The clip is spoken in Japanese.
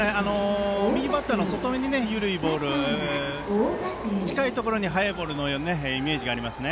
右バッターの外めに緩いボールそして近いところに速いボールというイメージがあります。